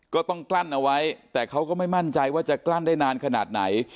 กลั้นเอาไว้แต่เขาก็ไม่มั่นใจว่าจะกลั้นได้นานขนาดไหน